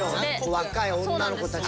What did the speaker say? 若い女の子たちが。